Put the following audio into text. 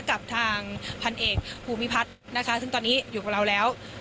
กับทางพันเอกภูมิพัฒน์นะคะซึ่งตอนนี้อยู่กับเราแล้ว